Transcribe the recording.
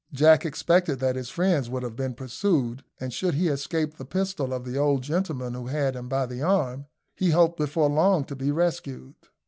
Jack expected that his friends would have pursued, and should he escape the pistol of the old gentleman who had him by the arm, he hoped before long to be rescued.